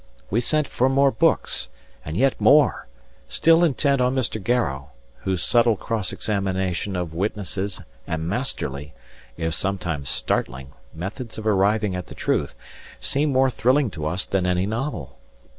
We sent for more books, and yet more, still intent on Mr. Garrow, whose subtle cross examination of witnesses and masterly, if sometimes startling, methods of arriving at the truth seemed more thrilling to us than any novel.